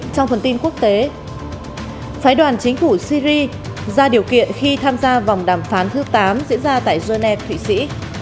trong phần tin quốc tế phái đoàn chính phủ syri ra điều kiện khi tham gia vòng đàm phán thứ tám diễn ra tại geneva thụy sĩ